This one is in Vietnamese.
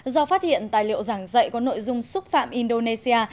do phát hiện tài liệu giảng dạy có nội dung xúc phạm indonesia